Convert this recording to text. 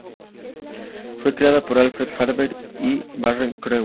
Fue creado por Alfred Harvey y Warren Kremer.